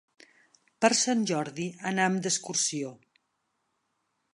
Per Sant Jordi anam d'excursió.